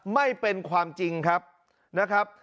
ไม่เป็นความจริงครับ